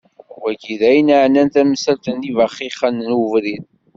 Wagi d ayen iεnan tamsalt n yibaxixen n ubrid.